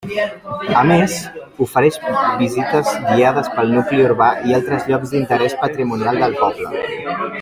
A més, ofereix visites guiades pel nucli urbà i altres llocs d'interès patrimonial del poble.